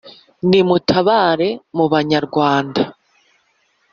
Nimutabare mu banyarwanda